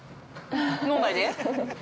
◆脳内で？